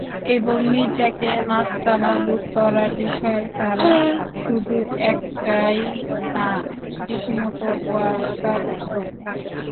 এবং মির্জাকে নাস্তানাবুদ করার বিষয়ে তাঁরা শুধু একাট্টাই না, রীতিমতো ওয়াদাবদ্ধও।